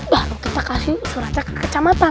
baru kita kasih suratnya ke kecamatan